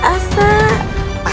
pasti akan sembuh